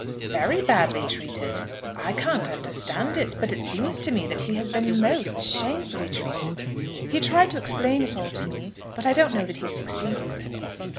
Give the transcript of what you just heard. "Very badly treated. I can't understand it, but it seems to me that he has been most shamefully treated." "He tried to explain it all to me; but I don't know that he succeeded."